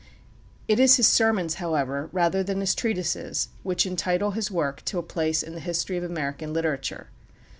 It is his sermons, however, rather than his treatises, which entitle his work to a place in the history of American literature.